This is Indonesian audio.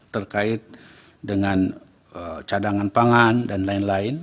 terkait dengan cadangan pangan dan lain lain